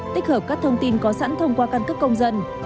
tích hợp các thông tin có sẵn thông qua căn cước công dân